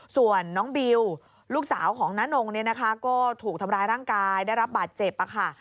ส่วนน้องบิวลูกสาวของน้านงก็ถูกทำร้ายร่างกายได้รับบาดเจ็บ